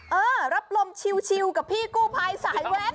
เออรับลมชิวกับพี่กู้ภัยสายแว้น